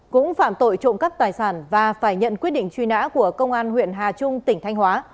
cũng phạm tội trộm cắp tài sản và phải nhận quyết định truy nã của công an huyện hà trung tỉnh thanh hóa